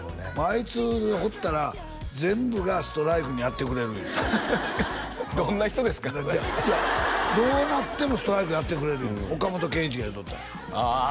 あいつに放ったら全部がストライクにやってくれるいうてどんな人ですかどうなってもストライクやってくれる言うの岡本健一が言うとったああ